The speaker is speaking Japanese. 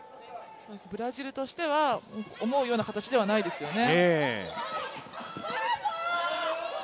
ブラジルとしては思うような形ではないですよね。